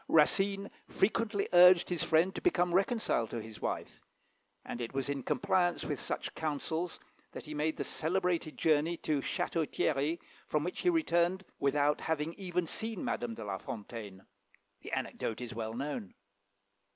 Racine frequently urged his friend to become reconciled to his wife, and it was in compliance with such counsels that he made that celebrated journey to Château Thierry, from which he returned without having even seen Madame de La Fontaine. The anecdote is well known.